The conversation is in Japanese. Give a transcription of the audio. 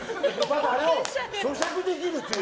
あれを咀嚼できるっていう。